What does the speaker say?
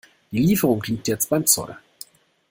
Die Lieferung liegt jetzt beim Zoll.